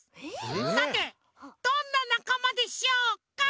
さてどんななかまでしょうか？